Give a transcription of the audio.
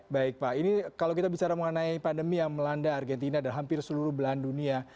baik pak ini kalau kita bicara mengenai pandemi yang melanda argentina dan hampir seluruh belahan dunia